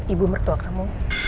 ibu mertua kamu